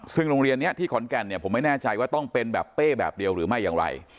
ซึ่งโรงเรียนนี้ที่ขอนแก่นเนี่ยผมไม่แน่ใจว่าต้องเป็นแบบเป้แบบเดียวหรือไม่อย่างไร